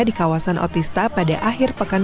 di kawasan otista pada akhir pekan